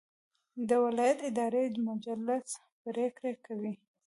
د ولایت اداري مجلس پریکړې کوي